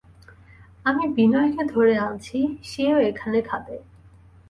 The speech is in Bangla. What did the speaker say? আমি বিনয়কে ধরে আনছি, সেও এখানে খাবে।